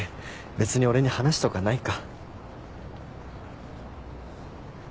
別に俺に話とかないか。